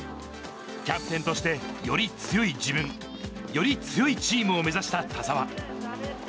キャプテンとして、より強い自分、より強いチームを目指した田澤。